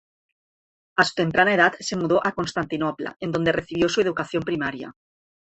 A su temprana edad se mudó a Constantinopla, en donde recibió su educación primaria.